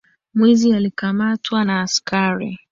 Mwizi alikamatwa na askari.